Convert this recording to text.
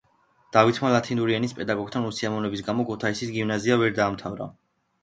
დავითმა ლათინური ენის პედაგოგთან უსიამოვნების გამო ქუთაისის გიმნაზია ვერ დაამთავრა.